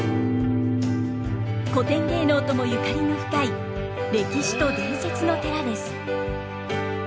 古典芸能ともゆかりの深い歴史と伝説の寺です。